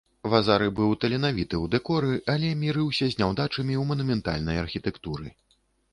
Вазары быў таленавіты ў дэкоры, але мірыўся з няўдачамі ў манументальнай архітэктуры.